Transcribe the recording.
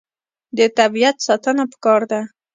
د طبیعت ساتنه پکار ده.